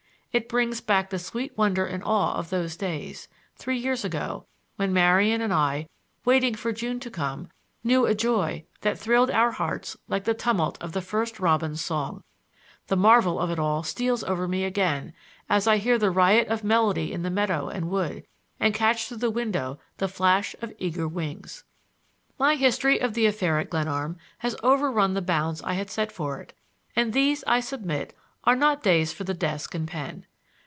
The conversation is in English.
It brings back the sweet wonder and awe of those days, three years ago, when Marian and I, waiting for June to come, knew a joy that thrilled our hearts like the tumult of the first robin's song. The marvel of it all steals over me again as I hear the riot of melody in meadow and wood, and catch through the window the flash of eager wings. My history of the affair at Glenarm has overrun the bounds I had set for it, and these, I submit, are not days for the desk and pen.